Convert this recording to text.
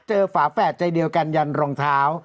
ฝาแฝดใจเดียวกันยันรองเท้า